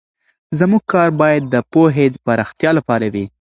زموږ کار باید د پوهې د پراختیا لپاره وي.